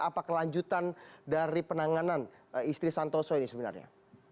apa kelanjutan dari penanganan istri santoso ini sebenarnya